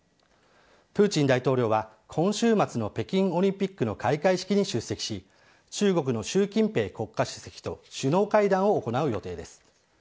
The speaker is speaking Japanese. プーチン大統領は今週末の北京オリンピックの開会式に出席し、中国の習近平国家主席と首脳会談を行う予定です。